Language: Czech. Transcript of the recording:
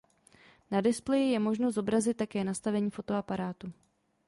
Na displeji je možno zobrazit také nastavení fotoaparátu.